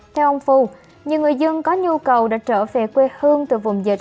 theo ông phu nhiều người dân có nhu cầu đã trở về quê hương từ vùng dịch